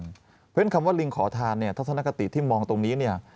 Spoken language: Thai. เพราะฉะนั้นคำว่าลิงขอทานเนี่ยทัศนคติที่มองตรงนี้เนี่ย